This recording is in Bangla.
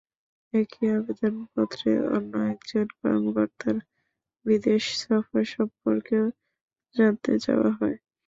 একই আবেদনপত্রে অন্য একজন কর্মকর্তার বিদেশ সফর সম্পর্কেও জানতে চাওয়া হয়।